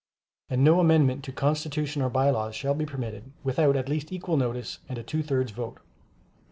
And no amendment to Constitutions or By Laws shall be permitted, without at least equal notice and a two thirds vote.